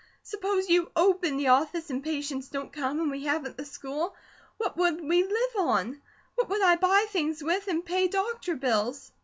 Suppose you OPEN the office and patients don't come, or we haven't the school; what would we LIVE on? What would I buy things with, and pay doctor bills?"